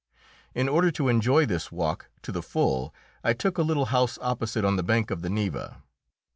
In order to enjoy this walk to the full, I took a little house opposite on the bank of the Neva.